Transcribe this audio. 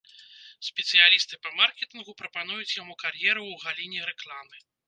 Спецыялісты па маркетынгу прапануюць яму кар'еру ў галіне рэкламы.